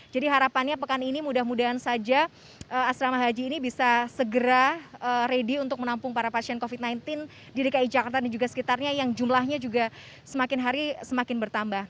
jadi harapannya pekan ini mudah mudahan saja asrama haji ini bisa segera ready untuk menampung para pasien covid sembilan belas di dki jakarta dan juga sekitarnya yang jumlahnya juga semakin hari semakin bertambah